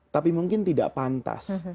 tapi mungkin tidak pantas